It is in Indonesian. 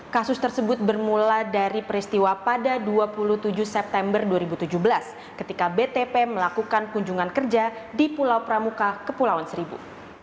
kasus tersebut bermula dari peristiwa pada dua puluh tujuh september dua ribu tujuh belas ketika btp melakukan kunjungan kerja di pulau pramuka kepulauan seribu